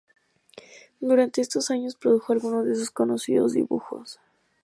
Durante estos años produjo algunos de sus más conocidos dibujos.